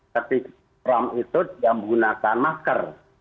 tapi ram itu yang menggunakan masker